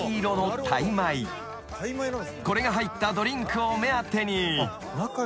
［これが入ったドリンクを目当てに］